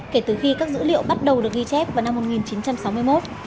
kể từ khi các dữ liệu bắt đầu được ghi chép vào năm một nghìn chín trăm sáu mươi một